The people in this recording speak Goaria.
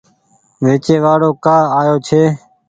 ويچي وآڙو ڪآ آيو ڇي ۔